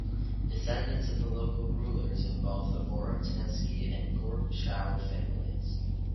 Descendants of the local rulers include the Vorotynsky and Gorchakov families.